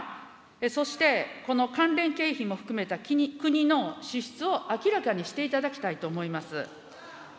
そしてこの関連経費も含めた国の支出を明らかにしていただきたいと思います。